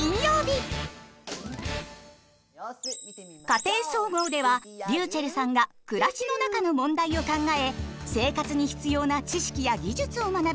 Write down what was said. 「家庭総合」ではｒｙｕｃｈｅｌｌさんが暮らしの中の問題を考え生活に必要な知識や技術を学びます。